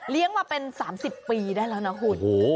เลี้ยงมาเป็น๓๐ปีได้แล้วนะหุ่น